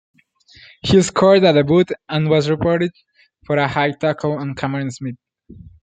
He scored on debut and was reported for a high tackle on Cameron Smith.